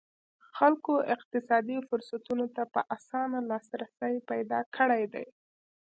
خلکو اقتصادي فرصتونو ته په اسانه لاسرسی پیدا کړی دی.